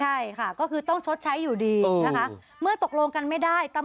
ใช่ค่ะก็คือต้องชดใช้อยู่ดีนะคะเมื่อตกลงกันไม่ได้